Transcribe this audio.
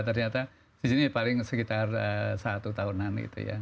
ternyata di cinepa ini sekitar satu tahunan